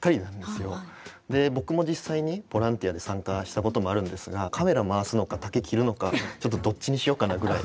僕も実際にボランティアで参加したこともあるんですがカメラを回すのか竹を切るのかどっちにしようかなぐらいの。